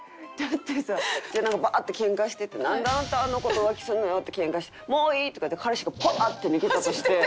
だってさなんかバーッてケンカしてて「なんであんたあの子と浮気すんのよ」ってケンカして「もういい！」とかって彼氏がパーッて逃げたとして。